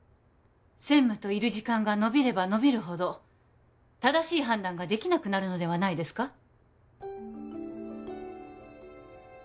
専務といる時間がのびればのびるほど正しい判断ができなくなるのではないですか？